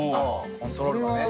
コントロールもね。